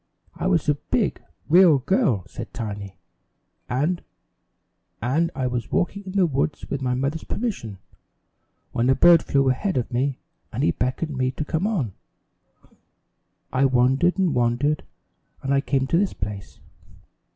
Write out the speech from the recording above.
"I was a big, real girl," said Tiny, "and and I was walking in the woods, with my mother's permission, when a bird flew ahead of me and he beckoned me to come on. I wandered and wandered and I came to this place.